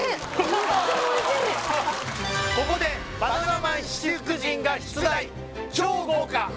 ここでバナナマン七福神が出題超豪華！